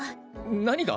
何が？